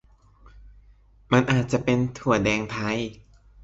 มันอาจจะเป็นถั่วแดงไทย